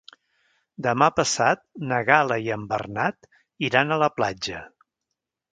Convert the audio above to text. Demà passat na Gal·la i en Bernat iran a la platja.